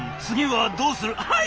「はい！